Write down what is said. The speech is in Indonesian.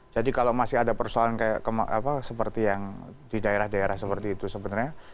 jadi kalau masih ada persoalan seperti yang di daerah daerah seperti itu sebenarnya